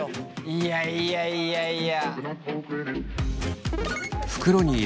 いやいやいやいや。